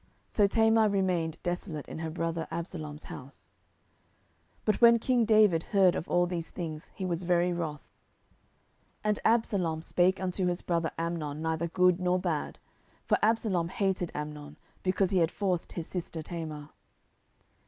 So Tamar remained desolate in her brother Absalom's house. 10:013:021 But when king David heard of all these things, he was very wroth. 10:013:022 And Absalom spake unto his brother Amnon neither good nor bad: for Absalom hated Amnon, because he had forced his sister Tamar.